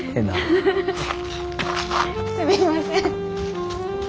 すみません。